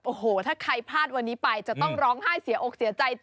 โอ้โหถ้าใครพลาดวันนี้ไปจะต้องร้องไห้เสียอกเสียใจ